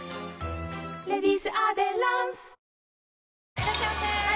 いらっしゃいませ！